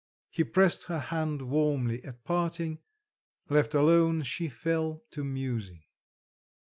He pressed her hand warmly at parting; left alone, she fell to musing.